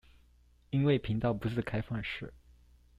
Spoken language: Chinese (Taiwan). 因為頻道不是開放式